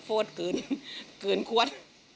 โฟสเกินขวด